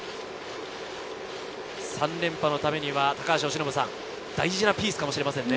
３連覇のためには、大事なピースかもしれませんね。